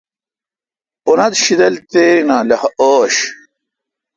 انت شیدل تھیرا ین لخہ اوݭ